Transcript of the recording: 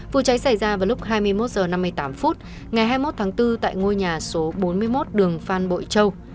vụ cháy xảy ra vào lúc hai mươi một h năm mươi tám phút ngày hai mươi một tháng bốn tại ngôi nhà số bốn mươi một đường phan bội châu